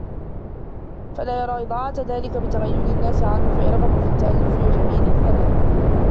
فَلَا يَرَى إضَاعَةَ ذَلِكَ بِتَغَيُّرِ النَّاسِ عَنْهُ فَيَرْغَبُ فِي التَّأَلُّفِ وَجَمِيلِ الثَّنَاءِ